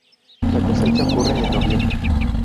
La cosecha ocurre en noviembre.